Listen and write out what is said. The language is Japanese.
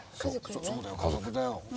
そうだよ家族だよ。